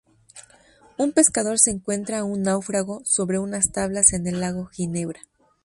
Un pescador se encuentra a un náufrago sobre unas tablas en el lago Ginebra.